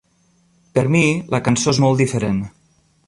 Per mi la cançó és molt diferent.